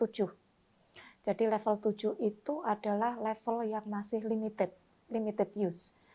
level tujuh itu adalah level yang masih limited limited use